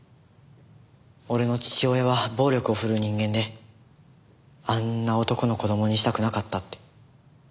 俺の父親は暴力を振るう人間であんな男の子供にしたくなかったって。